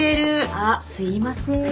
あっすいません。